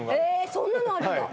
そんなのあるんだは